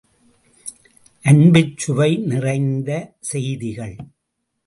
அன்புச்சுவை நிறைந்த செய்திகள்!